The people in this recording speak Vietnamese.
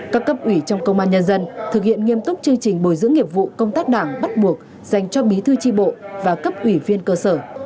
các cấp ủy trong công an nhân dân thực hiện nghiêm túc chương trình bồi dưỡng nghiệp vụ công tác đảng bắt buộc dành cho bí thư tri bộ và cấp ủy viên cơ sở